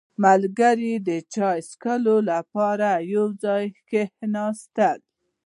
• ملګري د چای څښلو لپاره یو ځای کښېناستل.